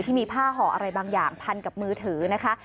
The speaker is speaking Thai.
ที่มีผ้าห่ออะไรบางอย่างพันกับมือถือนะคะ